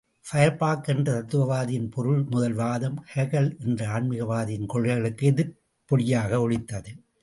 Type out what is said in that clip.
Feuerbach என்ற தத்துவவாதியின் பொருள்முதல் வாதம், Hegel என்ற ஆன்மீகவாதியின் கொள்கைகளுக்கு எதிர்ப்பொலியாக ஒலித்தது.